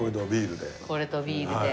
これとビールで。